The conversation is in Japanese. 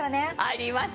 ありますよ。